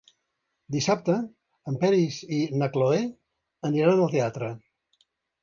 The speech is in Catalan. Dissabte en Peris i na Cloè aniran al teatre.